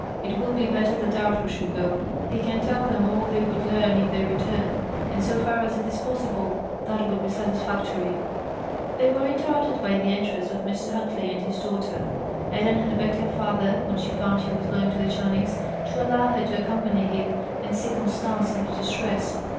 It will be better that Arthur should go. He can tell them all they would learn if they returned; and so far as it is possible, that would be satisfactory." They were interrupted by the entrance of Mr. Huntley and his daughter. Ellen had begged her father, when she found he was going to the Channings', to allow her to accompany him, and see Constance in her distress.